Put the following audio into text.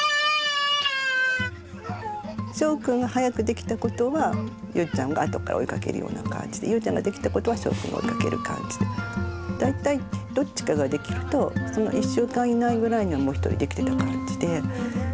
しょうくんが早くできたことはゆうちゃんがあとから追いかけるような感じでゆうちゃんができたことはしょうくんが追いかける感じで大体どっちかができるとその１週間以内ぐらいにはもう一人できてた感じで。